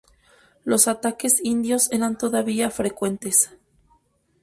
Los ataques indios eran todavía frecuentes.